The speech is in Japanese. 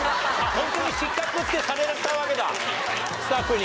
ホントに失格ってされたわけだスタッフに。